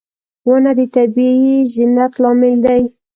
• ونه د طبیعي زینت لامل دی.